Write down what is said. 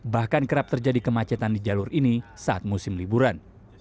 bahkan kerap terjadi kemacetan di jalur ini saat musim liburan